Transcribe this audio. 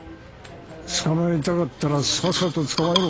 捕まえたかったらさっさと捕まえろ。